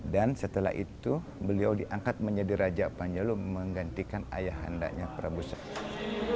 dan setelah itu beliau diangkat menjadi raja panjalu menggantikan ayahandanya prabu sangyang